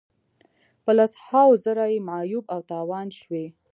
په لس هاوو زره یې معیوب او تاوان شوي.